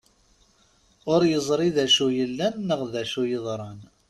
Ur yeẓri d acu yellan neɣ d acu yeḍran.